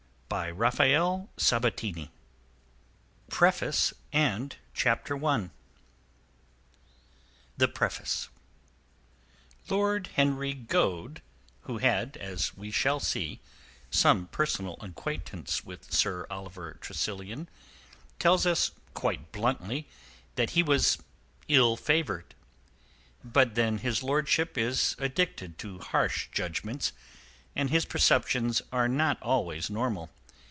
THE JUDGES CHAPTER XXV. THE ADVOCATE CHAPTER XXVI. THE JUDGMENT NOTE Lord Henry Goade, who had, as we shall see, some personal acquaintance with Sir Oliver Tressilian, tells us quite bluntly that he was ill favoured. But then his lordship is addicted to harsh judgments and his perceptions are not always normal.